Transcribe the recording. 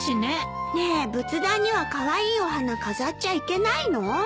ねえ仏壇にはカワイイお花飾っちゃいけないの？